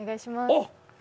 あっ！